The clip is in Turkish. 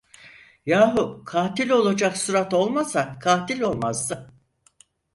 Yahu, katil olacak surat olmasa katil olmazdı.